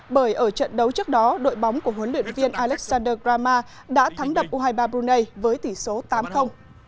bởi ở trận đấu trước đó đội bóng của huấn luyện viên alexander grama đã thắng đập u hai mươi ba brunei với tỷ số tám